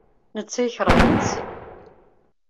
Netta yekṛeh Nancy.